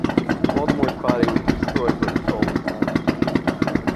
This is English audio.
Voldemort's body was destroyed, but his soul was not.